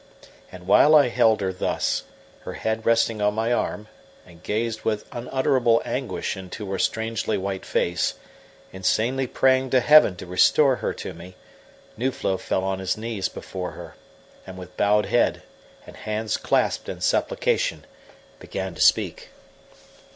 And while I held her thus, her head resting on my arm, and gazed with unutterable anguish into her strangely white face, insanely praying to Heaven to restore her to me, Nuflo fell on his knees before her, and with bowed head, and hands clasped in supplication, began to speak.